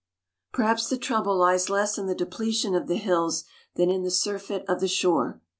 Perhaps the trouble lies less in the depletion of the hills than in the surfeit of the shore.